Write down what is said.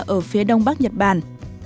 ở phía đông bắc nhật bản